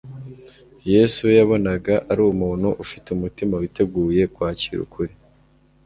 Yesu we yabonaga ari umuntu ufite umutima witeguye kwakira ukuri.